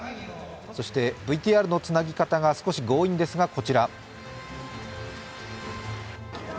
そしてＶＴＲのつなぎ方が少し強引ですが、こちら。